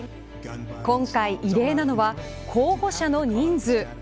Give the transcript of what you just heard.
今回異例なのは、候補者の人数。